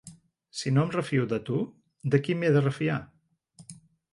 Si no em refio de tu, de qui m'he de refiar?